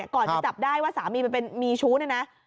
ก่อนจะจับได้ว่าสามีมันเป็นมีชู้เนี่ยนะ